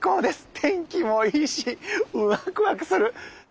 天気もいいしワクワクする。